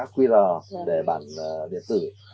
quy rờ để bản điện tử